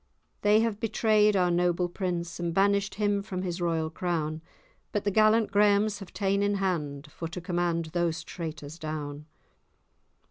They have betray'd our noble prince, And banished him from his royal crown;' But the gallant Grahams have ta'en in hand For to command those traitors down.